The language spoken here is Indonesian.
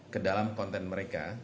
kedalam konten mereka